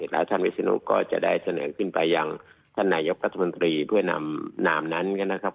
แล้วท่านวิศนุก็จะได้เสนอขึ้นไปยังท่านนายกรัฐมนตรีเพื่อนำนามนั้นนะครับ